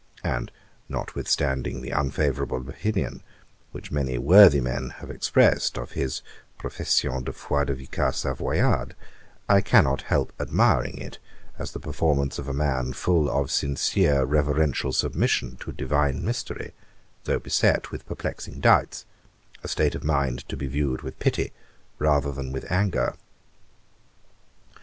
And notwithstanding the unfavourable opinion which many worthy men have expressed of his 'Profession de Foi du Vicaire Savoyard', I cannot help admiring it as the performance of a man full of sincere reverential submission to Divine Mystery, though beset with perplexing doubts; a state of mind to be viewed with pity rather than with anger.